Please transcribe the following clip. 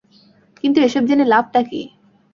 কিন্তু এসব জেনে লাভটা কী।